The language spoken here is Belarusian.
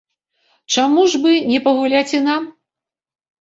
Чаму ж бы не пагуляць і нам?